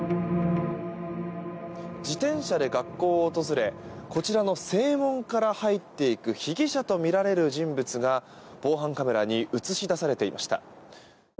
自転車で学校を訪れこちらの正門から入っていく被疑者とみられる人物が防犯カメラに映し出されていました。